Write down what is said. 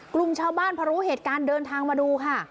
กลุ่มชาวบ้านพอรู้เหตุการณ์เดินทางมาดูค่ะ